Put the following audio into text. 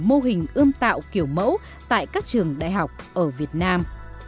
mô hình ươm tạo kiểu mẫu tại các trường đại học ở việt nam